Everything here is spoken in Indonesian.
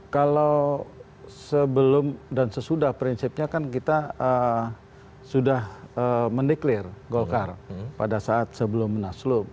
kalau sebelum dan sesudah prinsipnya kan kita sudah mendeklir golkar pada saat sebelum munaslup